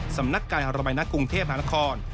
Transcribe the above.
สำนักการณ์ระบายนักกรุงเทพฯหานคร